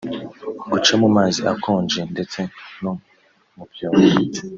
guca mu mazi akonje ndetse no mu byondo